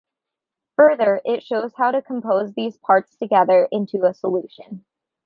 Further it shows how to compose these parts together into a solution.